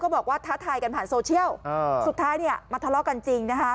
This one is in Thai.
บอกว่าท้าทายกันผ่านโซเชียลสุดท้ายเนี่ยมาทะเลาะกันจริงนะคะ